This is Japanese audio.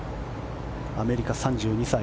アメリカ、３２歳。